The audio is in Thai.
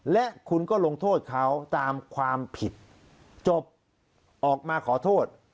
และคุณก็ลงโทษเขาตามความผิดจบออกมาขอโทษ